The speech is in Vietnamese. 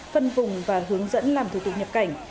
phân vùng và hướng dẫn làm thủ tục nhập cảnh